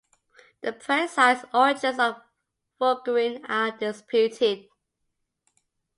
The precise origins of voguing are disputed.